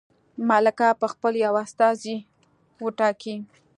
ملکه به خپل یو استازی وټاکي.